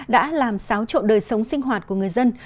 đã làm xáo trộn đời sống sinh hoạt của người dân